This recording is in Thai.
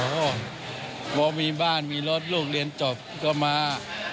พอมีบ้านมีรถลูกเรียนจบก็มา